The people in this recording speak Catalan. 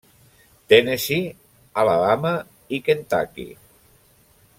Tennessee, Alabama i Kentucky.